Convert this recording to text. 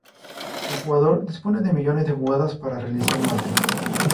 El jugador dispone de millones de jugadas para realizar mate.